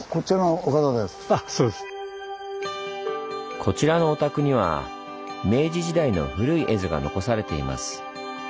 こちらのお宅には明治時代の古い絵図が残されています。